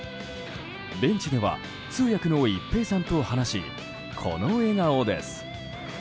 ベンチでは通訳の一平さんと話しこの笑顔です。